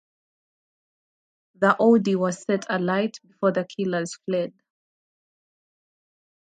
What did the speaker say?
The Audi was set alight before the killers fled.